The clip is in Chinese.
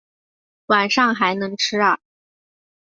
晚上还能吃啊